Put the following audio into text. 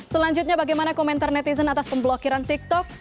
selanjutnya bagaimana komentar netizen atas pemblokiran tiktok